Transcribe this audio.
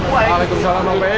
waalaikumsalam bang fei